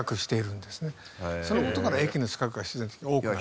その事から駅の近くが自然と多くなると。